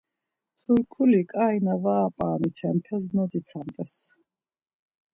Turkuri ǩai na var ap̌aramitenpes nodzitsamt̆es.